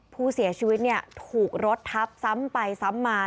ผู้เสียชีวิตเนี่ยถูกรถทับซ้ำไปซ้ำมา